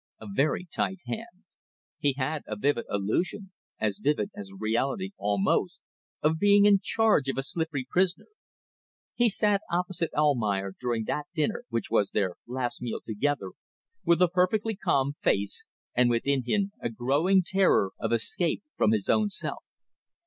A very tight hand. He had a vivid illusion as vivid as reality almost of being in charge of a slippery prisoner. He sat opposite Almayer during that dinner which was their last meal together with a perfectly calm face and within him a growing terror of escape from his own self.